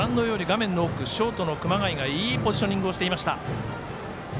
ショートの熊谷がいいポジショニングをしていました。